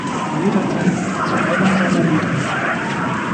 Jeder tanzt zu einem seiner Lieder.